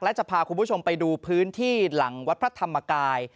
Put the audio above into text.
และจะพาคุณผู้ชมไปดูพื้นที่หลังวัดพระธรรมกาย